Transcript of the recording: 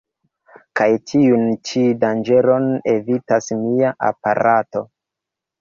Kaj tiun ĉi danĝeron evitas mia aparato.